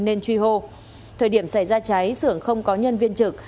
nên truy hô thời điểm xảy ra cháy xưởng không có nhân viên trực